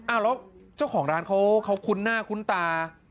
แล้วเจ้าของร้านเขาคุ้นหน้าคุ้นตา